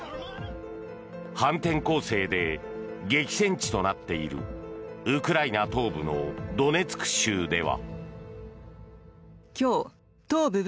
反転攻勢で激戦地となっているウクライナ東部のドネツク州では。